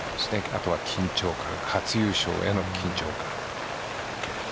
あとは緊張感初優勝への緊張感。